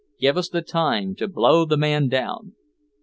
Give us the time to blow the man down!"